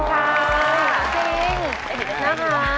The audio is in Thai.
เห็นไหมนะคะ